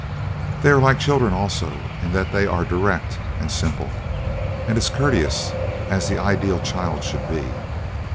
They are like children also in that they are direct and simple, and as courteous as the ideal child should be.